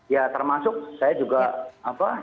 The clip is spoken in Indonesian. ya termasuk saya juga apa